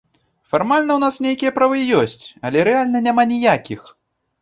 Фармальна ў нас нейкія правы ёсць, але рэальна няма ніякіх.